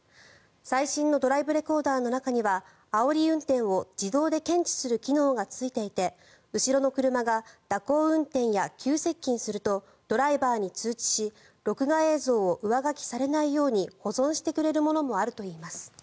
最新のドライブレコーダーの中にはあおり運転を自動で検知する機能がついていて後ろの車が蛇行運転や急接近するとドライバーに通知し録画映像を上書きされないように保存してくれるものもあるといいます。